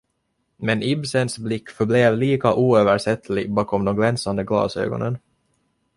Men Ibsens blick förblev lika oöversättlig bakom de glänsande glasögonen.